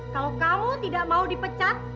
kalau kamu tidak mau dipecat